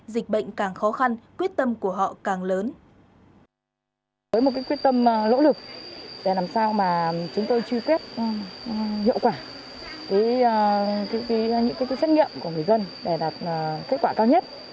dịch bệnh càng khó khăn quyết tâm của họ càng lớn